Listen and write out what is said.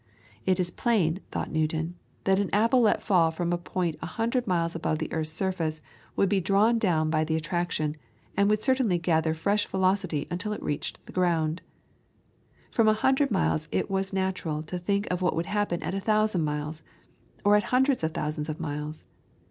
It is plain, thought Newton, that an apple let fall from a point a hundred miles above this earth's surface, would be drawn down by the attraction, and would continually gather fresh velocity until it reached the ground. From a hundred miles it was natural to think of what would happen at a thousand miles, or at hundreds of thousands of miles.